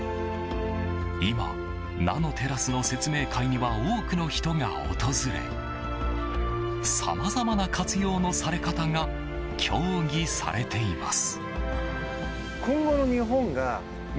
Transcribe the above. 今、ナノテラスの説明会には多くの人が訪れさまざまな活用のされ方が協議されています。